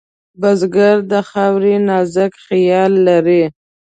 بزګر د خاورو نازک خیال لري